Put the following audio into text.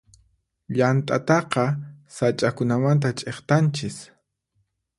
Llant'ataqa sach'akunamanta ch'iktanchis.